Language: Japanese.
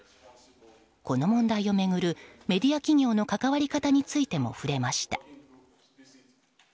この問題を巡る、メディア企業の関わり方についても触れました。